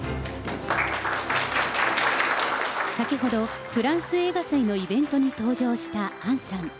先ほど、フランス映画祭のイベントに登場した杏さん。